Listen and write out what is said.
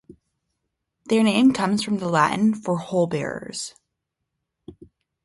Their name comes from the Latin for "hole bearers".